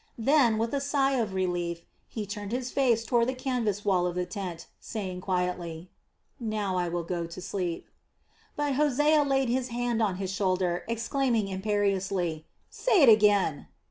Then, with a sigh of relief, he turned his face toward the canvas wall of the tent, saying quietly: "Now I will go to sleep." But Hosea laid his hand on his shoulder, exclaiming imperiously: "Say it again."